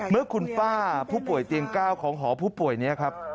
เมื่อคุณป้าผู้ป่วยเตียง๙ของหอผู้ป่วยนี้ครับ